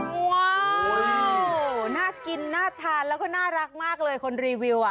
ว้าวน่ากินน่าทานแล้วก็น่ารักมากเลยคนรีวิวอ่ะ